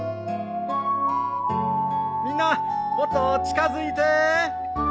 みんなもっと近づいて。